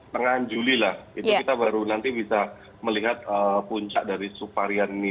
tengah juli lah itu kita baru nanti bisa melihat puncak dari subvarian ini